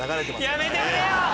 やめてくれよ！